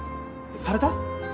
された？